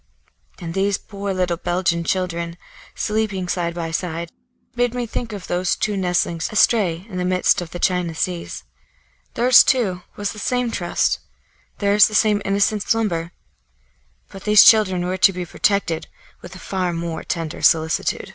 And these poor little Belgian children, sleeping side by side, made me think of those two nestlings, astray in the midst of the China Seas. Theirs, too, was the same trust; theirs the same innocent slumber. But these children were to be protected with a far more tender solicitude.